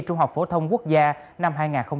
trung học phổ thông quốc gia năm hai nghìn một mươi chín